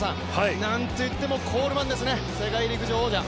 なんといってもコールマンですね、世界陸上王者。